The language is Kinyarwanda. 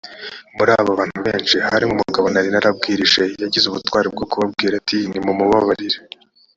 muri abo bantu benshi harimo umugabo nari narabwirije yagize ubutwari bwo kubabwira ati nimumubabarire